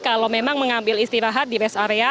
kalau memang mengambil istirahat di rest area